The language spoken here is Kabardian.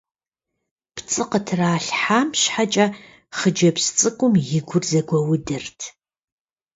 ПцӀы къытралъхьам щхьэкӀэ хъыджэбз цӀыкӀум и гур зэгуэудырт.